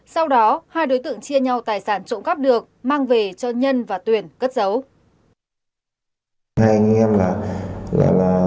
sau đó hai đối tượng chia nhau tài sản trộm cắp được mang về cho nhân và tuyển cất dấu